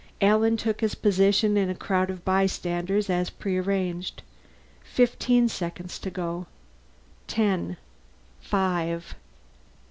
Alan took his position in a crowd of bystanders, as prearranged. Fifteen seconds to go. Ten. Five.